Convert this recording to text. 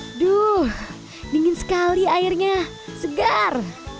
aduh dingin sekali airnya segar